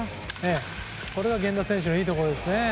これが源田選手のいいところですね。